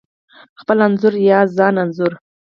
خپل انځور یا ځان انځور: